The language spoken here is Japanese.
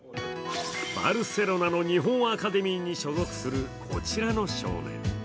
バルセロナの日本アカデミーに所属するこちらの少年。